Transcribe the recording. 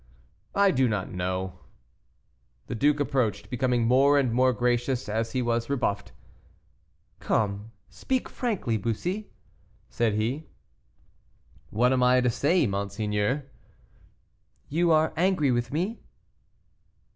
"I do not know." The duke approached, becoming more and more gracious as he was rebuffed. "Come, speak frankly, Bussy," said he. "What am I to say, monseigneur?" "You are angry with me?"